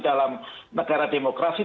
dalam negara demokrasi